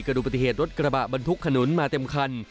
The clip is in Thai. ดูปฏิเหตุรถกระบะบรรทุกขนุนมาเต็มคัน